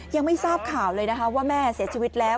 ยังไม่ทราบข่าวเลยนะคะว่าแม่เสียชีวิตแล้ว